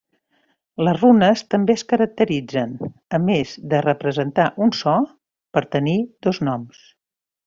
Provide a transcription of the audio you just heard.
Les runes també es caracteritzen, a més de representar un so, per tenir noms.